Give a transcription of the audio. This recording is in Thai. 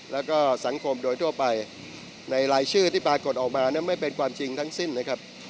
แล้วก็สังคมโดยทั่วไปในรายชื่อที่ปรากฏออกมานั้นไม่เป็นความจริงทั้งสิ้นนะครับ